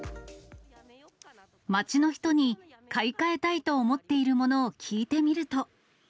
街の人に、買い替えたいと思っているものを聞いてみると。